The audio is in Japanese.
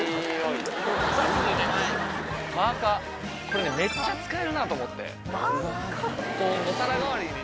これねめっちゃ使えるなと思ってマーカー？